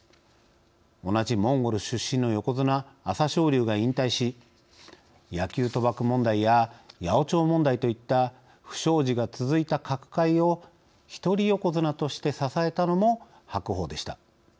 同じモンゴル出身の横綱朝青龍が引退し野球賭博問題や八百長問題といった不祥事が続いた角界を１人横綱として支えたのも白鵬でした。